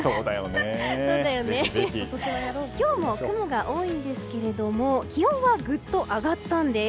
今日も雲が多いんですけれども気温はぐっと上がったんです。